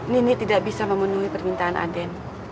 nini tidak bisa memenuhi permintaan aden